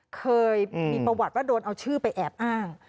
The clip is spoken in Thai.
เคยมีประวัติว่าโดนเอาชื่อไปแอบอ้าง